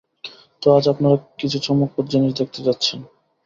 তো, আজ আপনারা কিছু চমকপ্রদ জিনিস দেখতে যাচ্ছেন।